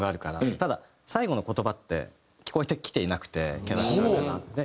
ただ最後の言葉って聞こえてきていなくてキャラクターから。